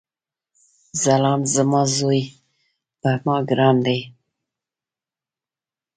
ځلاند زما ځوي پر ما ګران دی